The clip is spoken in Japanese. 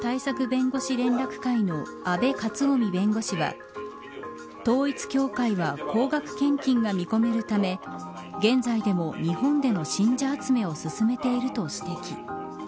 弁護士連絡会の阿部克臣弁護士は統一教会は高額献金が見込めるため現在でも日本での信者集めを進めていると指摘。